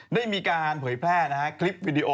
ได้มีการเผยแพร่นะฮะ